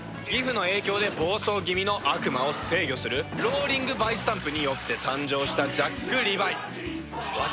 ギフの影響で暴走気味の悪魔を制御するローリングバイスタンプによって誕生したジャックリバイス